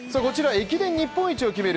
駅伝日本一を決める